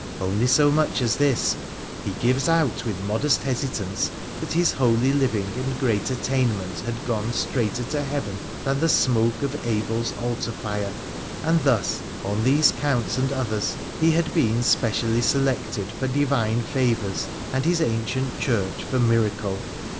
Only so much as this : he gives out with modest hesi tance that his holy living and great attainment had gone straighter to Heaven than the smoke of Abel's altar fire, and thus, on these counts and others, he had been specially selected for Divine favours, and his ancient Church for miracle.